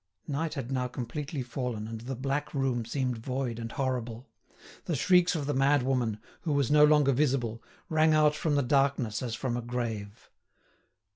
Night had now completely fallen, and the black room seemed void and horrible. The shrieks of the madwoman, who was no longer visible, rang out from the darkness as from a grave.